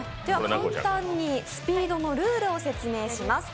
簡単にスピードのルールを説明します。